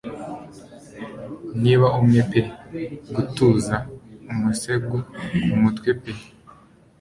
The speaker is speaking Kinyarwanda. Niba umwe pe gutuza umusego kumutwe pe